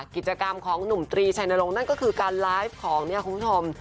กิจกรรมของหนุ่มตรีชัยนรงค์นั่นก็คือการไลฟ์ของเนี่ยคุณผู้ชม